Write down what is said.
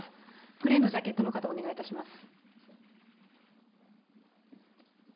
グレーのジャケットの方、お願いいたします。